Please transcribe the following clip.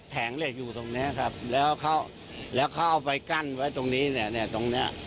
เหล็กอยู่ตรงเนี้ยครับแล้วเขาเอาไปกั้นไว้ตรงนี้เนี่ยตรงเนี้ย